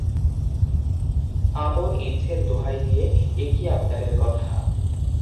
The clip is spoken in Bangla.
আপন ইচ্ছের দোহাই দিয়ে এ কী আবদারের কথা।